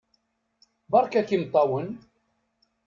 Beṛka-k imeṭṭawen!